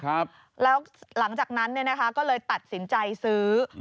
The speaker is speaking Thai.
ครับแล้วหลังจากนั้นเนี่ยนะคะก็เลยตัดสินใจซื้อ